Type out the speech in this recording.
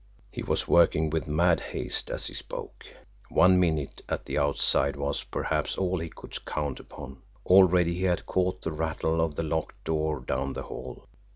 He was working with mad haste as he spoke. One minute at the outside was, perhaps, all he could count upon. Already he had caught the rattle of the locked door down the hall.